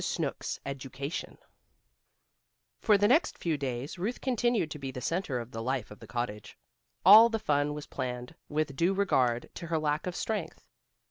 SNOOKS' EDUCATION For the next few days Ruth continued to be the centre of the life of the cottage. All the fun was planned with due regard to her lack of strength.